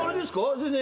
全然。